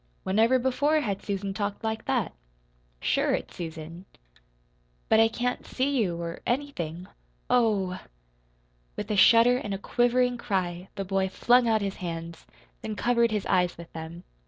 Whenever before had Susan talked like that? "Sure it's Susan." "But I can't see you or anything. Oh h!" With a shudder and a quivering cry the boy flung out his hands, then covered his eyes with them.